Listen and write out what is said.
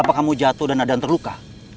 apakah kamu jatuh dan ada yang terluka